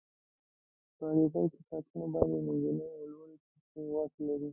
په حقیقت کې ټاکنو باندې منځنۍ او لوړې طبقې واک لري.